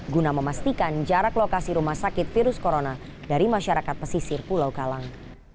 guna memastikan jarak lokasi rumah sakit virus corona dari masyarakat pesisir pulau kalang